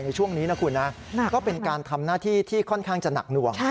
ในช่วงนี้นะคุณนะก็เป็นการทำหน้าที่ที่ค่อนข้างจะหนักหน่วง